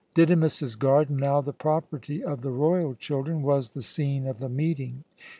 Didymus's garden now the property of the royal children was the scene of the meeting.